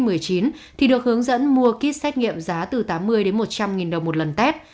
trạm y tế covid một mươi chín được hướng dẫn mua kit xét nghiệm giá từ tám mươi một trăm linh đồng một lần test